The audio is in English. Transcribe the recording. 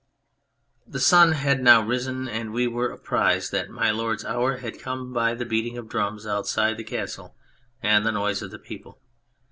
The sun had now risen, and we were apprised that My Lord's hour had come by the beating of drums outside the castle and the noise of the people.